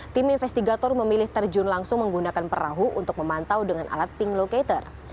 tim investigator memilih terjun langsung menggunakan perahu untuk memantau dengan alat ping locator